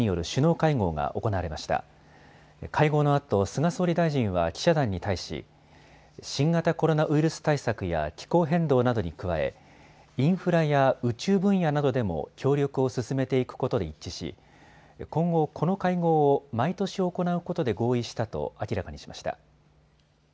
会合のあと、菅総理大臣は記者団に対し、新型コロナウイルス対策や気候変動などに加え、インフラや宇宙分野などでも協力を進めていくことで一致し、今後、この会合を毎年行うことで合意したと明らかにしました。